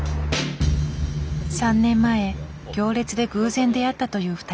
３年前行列で偶然出会ったという２人。